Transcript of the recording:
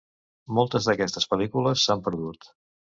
Moltes d'aquestes pel·lícules s'han perdut.